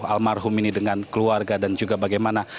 almarhum ini dengan keluarga dan juga bagaimana